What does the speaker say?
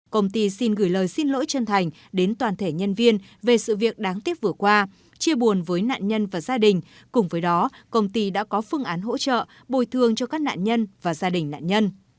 công ty xin gửi lời xin lỗi chân thành đến toàn thể nhân viên về sự việc đáng tiếc vừa qua chia buồn với nạn nhân và gia đình cùng với đó công ty đã có phương án hỗ trợ bồi thương cho các nạn nhân và gia đình nạn nhân